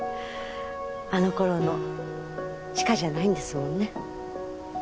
あのころの知花じゃないんですもんね。